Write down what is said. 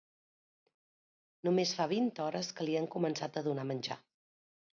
Només fa vint hores que li han començat a donar menjar.